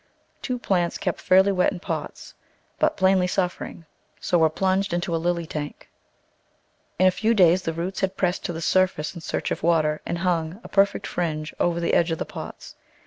Two plants kept fairly wet in pots, but plainly suffering, so were plunged into a lily tank; in a few days the roots had pressed to the surface in search of water, and hung, a perfect fringe, over the edge of the pots.